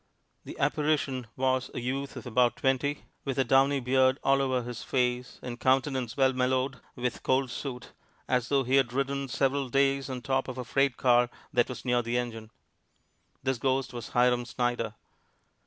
The apparition was a youth of about twenty, with a downy beard all over his face, and countenance well mellowed with coal soot, as though he had ridden several days on top of a freight car that was near the engine. This ghost was Hiram Snyder.